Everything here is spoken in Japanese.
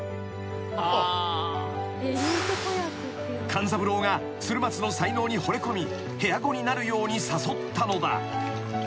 ［勘三郎が鶴松の才能にほれ込み部屋子になるように誘ったのだ］